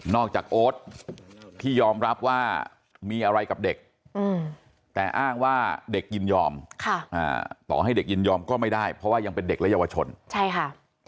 จากโอ๊ตที่ยอมรับว่ามีอะไรกับเด็กแต่อ้างว่าเด็กยินยอมต่อให้เด็กยินยอมก็ไม่ได้เพราะว่ายังเป็นเด็กและเยาวชนใช่ค่ะ